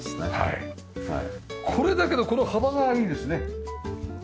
これだけどこの幅がいいですね。